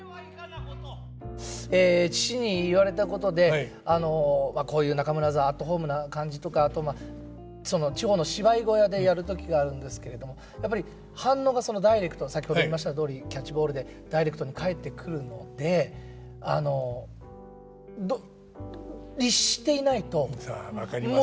父に言われたことでこういう中村座アットホームな感じとかあと地方の芝居小屋でやる時があるんですけれどもやっぱり反応がダイレクト先ほど言いましたとおりキャッチボールでダイレクトに返ってくるのであのああ分かりますね。